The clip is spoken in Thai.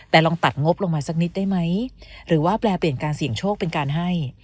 แต่ลองตัดงบลงมาสักนิดได้ไหมหรือว่าแปลเปลี่ยนการเสี่ยงโชคเป็นการให้